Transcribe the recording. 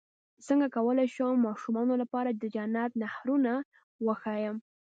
څنګه کولی شم د ماشومانو لپاره د جنت نهرونه وښایم